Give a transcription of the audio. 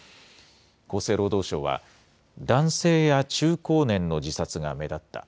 厚生労働省は、男性や中高年の自殺が目立った。